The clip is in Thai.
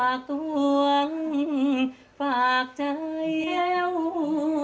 เดี๋ยวไงคะเต้นเล็ก